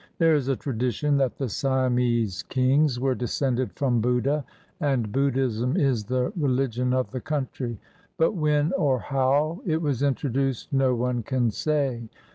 There is a tradition that the Siamese kings were descended from Buddha, and Buddhism is the religion of the country; but when or how it was introduced, no one can say.